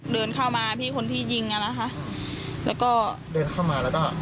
เดินเข้ามาพี่คนที่ยิงอ่ะนะคะแล้วก็เดินเข้ามาแล้วก็